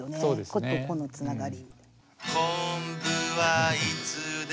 個と個のつながり。